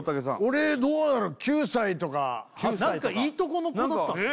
俺どうだろう９歳とか８歳とか何かいいとこの子だったんすね